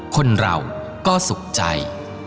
คนเราก็สุขใจ